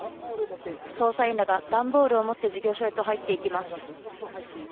捜査員らが段ボールを持って事業所へと入っていきます。